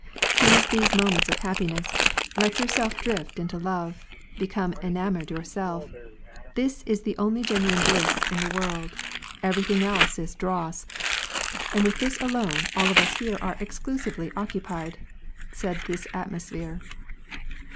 " Seize these moments of happiness ; let yourself drift into love ; become enamoured yourself. This is the only genuine bliss in the world ; everything else is dross. And with this alone all of us here are exclusively occupied," said this atmoe phere.